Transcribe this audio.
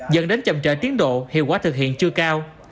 dẫn đến chậm trễ tiến độ hiệu quả thực hiện chưa cao